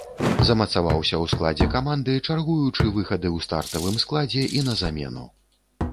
Замацаваўся ў складзе каманды, чаргуючы выхады ў стартавым складзе і на замену.